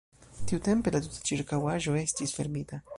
Tiutempe la tuta ĉirkaŭaĵo estis fermita.